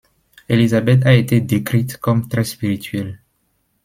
Élisabeth a été décrite comme très spirituelle.